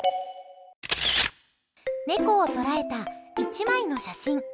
ネコを捉えた１枚の写真。